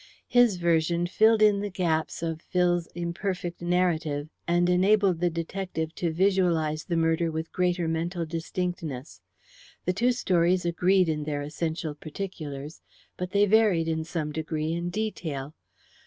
His version filled in the gaps of Phil's imperfect narrative, and enabled the detective to visualize the murder with greater mental distinctness. The two stories agreed in their essential particulars, but they varied in some degree in detail.